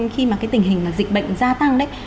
khi mà cái tình hình là dịch bệnh gia tăng đấy